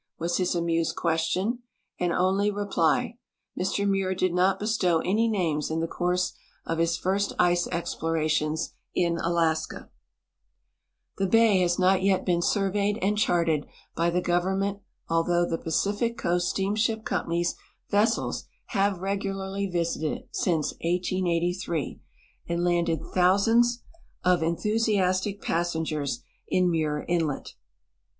was his amused question and only reply. Mr INIuir did not bestow any names in the course of his first ice explora tions in Alaska. The bay has not yet been surveyed and charted by the gov ernment, although the Pacific Coast Steamship Compan}''s ves sels have regularly visited it since 1883 and landed thousands THE DISCOVERY OF GLACIER BAY, ALASKA 145 of enthusiastic passengers in Muir inlet.